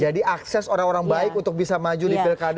jadi akses orang orang baik untuk bisa maju di pilkada